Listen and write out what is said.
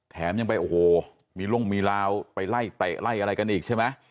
แถมยังไปโอ้โหมีร่มมีราวไปไล่เตะไล่อะไรกันอีกใช่ไหม